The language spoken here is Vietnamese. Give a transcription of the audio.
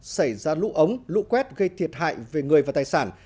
xảy ra lũ ống lũ quét gây thiệt hại về người và tài sản